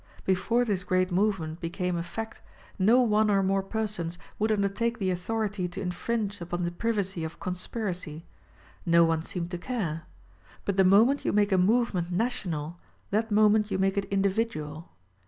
Before this great movement became a fact no one or more persons would undertake the authority to infringe upon the privacy of conspiracy; no one seemed to care. But the moment you make a movement national that moment you make it individual.